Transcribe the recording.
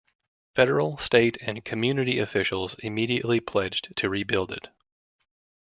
Federal, state, and community officials immediately pledged to rebuild it.